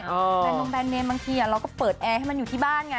แฟนนงแรนดเมมบางทีเราก็เปิดแอร์ให้มันอยู่ที่บ้านไง